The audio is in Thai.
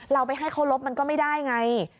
เราไปให้เขารบมันก็ไม่ได้ไง